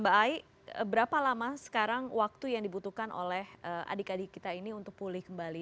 mbak ai berapa lama sekarang waktu yang dibutuhkan oleh adik adik kita ini untuk pulih kembali